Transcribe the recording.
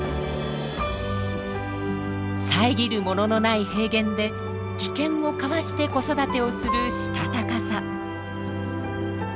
遮るもののない平原で危険をかわして子育てをするしたたかさ。